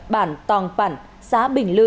bản tòng phản xã bình lư